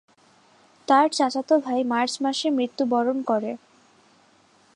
তার চাচাতো ভাই মার্চ মাসে মৃত্যুবরণ করে।